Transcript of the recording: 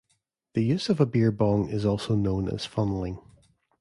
The use of a beer bong is also known as funneling.